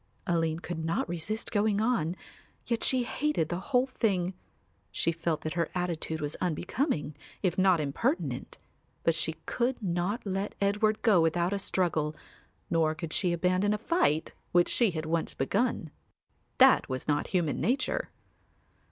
Aline could not resist going on, yet she hated the whole thing; she felt that her attitude was unbecoming, if not impertinent; but she could not let Edward go without a struggle, nor could she abandon a fight which she had once begun; that was not human nature.